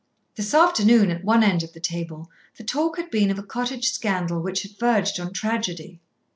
This afternoon, at one end of the table the talk had been of a cottage scandal which had verged on tragedy.